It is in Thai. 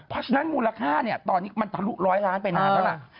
แล้วมูลค่าตอนนี้มันทะลุ๑๐๐ล้านไปนานแล้ว